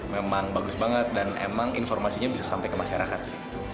memang bagus banget dan emang informasinya bisa sampai ke masyarakat sih